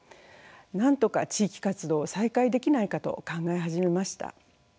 なんとか地域活動を再開できないかと考え始めました。